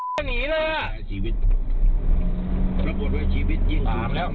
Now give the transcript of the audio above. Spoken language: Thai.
หนีแล้วชีวิตประบวนไว้ชีวิตยิ่งสามแล้ว